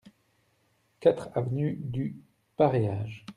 quatre avenue du Pareage